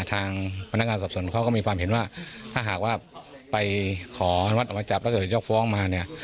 ทางพนักงานสอบส่วนเขาก็มีความเห็นว่าถ้าหากว่าไปขออนุมัติออกมาจับแล้วเกิดยกฟ้องมาเนี่ย